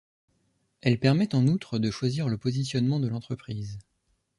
Elle permet en outre de choisir le positionnement de l'entreprise.